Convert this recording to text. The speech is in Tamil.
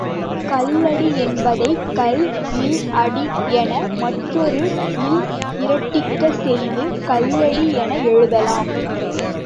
கல் அடி என்பதை, கல் ல் அடி என மற்றொரு ல் இரட்டிக்கச் செய்து கல்லடி என எழுதலாம்.